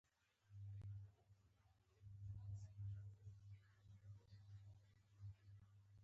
ته پوه شوې، خو له خدای سره مینه نه لرې، ته یې نه خوښوې.